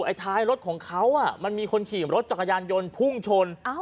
ท้ายรถของเขามันมีคนขี่รถจักรยานยนต์พุ่งชน